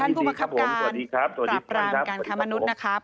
ท่านผู้บังคับการกรับรางการคำมนุษย์นะครับ